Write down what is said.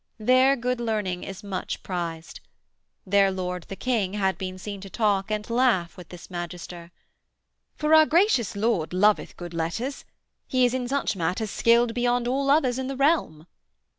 There good learning is much prized. Their Lord the King had been seen to talk and laugh with this magister. 'For our gracious lord loveth good letters. He is in such matters skilled beyond all others in the realm.'